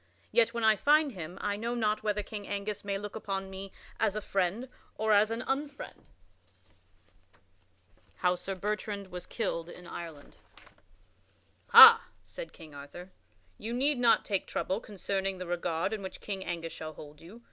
Yet when I find him, I know not whether King Angus may look upon me as a friend or as an unfriend." [Sidenote: How Sir Bertrand was killed in Ireland] "Ha," said King Arthur, "you need not take trouble concerning the regard in which King Angus shall hold you.